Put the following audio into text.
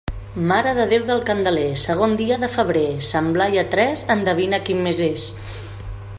Mare de Déu del Candeler, segon dia de febrer; Sant Blai a tres, endevina quin mes és.